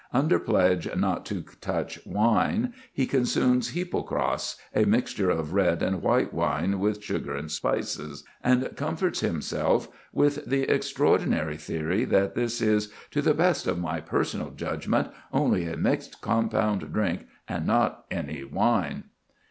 Under pledge not to touch wine, he consumes hypocras, a mixture of red and white wine with sugar and spices, and comforts himself with the extraordinary theory that this is, "to the best of my personal judgment, ... only a mixed compound drink, and not any wine."